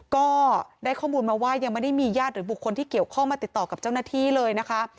ก็ได้ข้อมูลมาว่ายังไม่ได้มีญาติหรือบุคคลที่เกี่ยวข้องมาติดต่อกับเจ้าหน้าที่เลยนะคะ